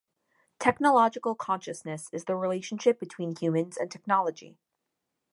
Technological consciousness is the relationship between humans and technology.